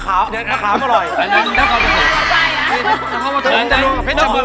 พระอาทิตย์บวกพระอาชบุญ